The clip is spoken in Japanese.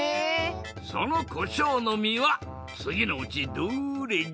そのこしょうの実はつぎのうちどれじゃ？